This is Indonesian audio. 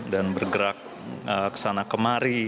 dan bergerak ke sana kemari